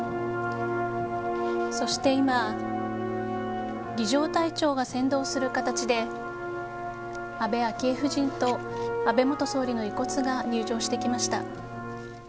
そして今儀仗隊長が先導する形で安倍昭恵夫人と安倍元総理の遺骨が入場してきました。